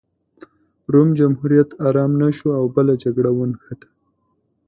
روم جمهوریت ارام نه شو او بله جګړه ونښته